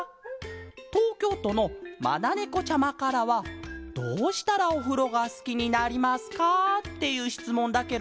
とうきょうとのまなねこちゃまからは「どうしたらおふろがすきになりますか？」っていうしつもんだケロ。